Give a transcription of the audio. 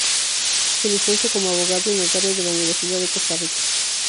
Se licencia como abogado y notario de la Universidad de Costa Rica.